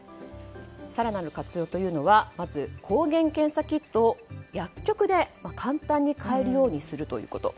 更なる活用というのはまず抗原検査キットを薬局で簡単に買えるようにするということ。